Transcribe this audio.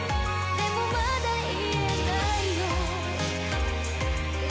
でも．．．まだ言えないよ